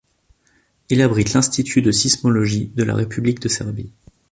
Il abrite l'Institut de sismologie de la République de Serbie.